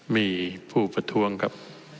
มีผู้ประท้วงครับ